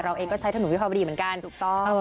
เราเองใช้ถนนวิภาพวาดีเหมือนกัน